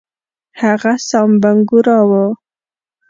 هغه سام بنګورا وو.